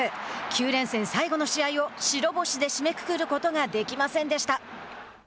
９連戦最後の試合を白星で締めくくることができませんでした。